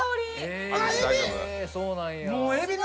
へえそうなんや。